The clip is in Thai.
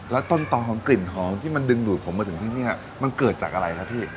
แล้วต้นต่อของกลิ่นหอมที่มันดึงดูดผมมาถึงที่นี่มันเกิดจากอะไรครับพี่